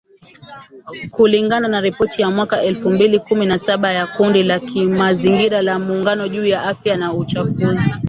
kulingana na ripoti ya mwaka elfu mbili kumi na saba ya kundi la kimazingira la Muungano juu ya Afya na Uchafuzi.